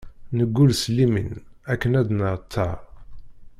Neggul s limin, akken ad d-nerr ttaṛ.